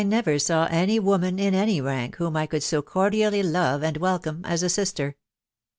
.. 1 never uw any wo <man in any rank wham I could «o eordintly lore and welcome .as a Bister.